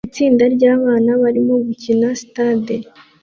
Itsinda ryabana barimo gukina Sitade